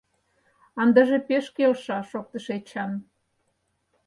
— Ындыже пеш келша! — шоктыш Эчан.